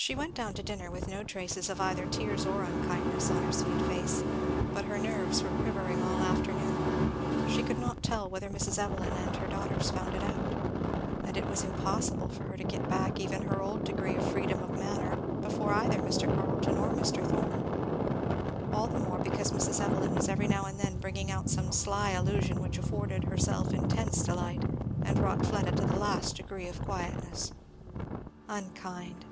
She went down to dinner with no traces of either tears or unkindness on her sweet face, but her nerves were quivering all the afternoon; she could not tell whether Mrs. Evelyn and her daughters found it out. And it was impossible for her to get back even her old degree of freedom of manner before either Mr. Carleton or Mr Thorn. All the more because Mrs. Evelyn was every now and then bringing out some sly allusion which afforded herself intense delight and wrought Fleda to the last degree of quietness. Unkind.